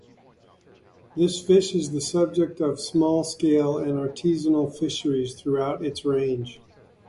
This fish is the subject of small scale and artisanal fisheries throughout its range.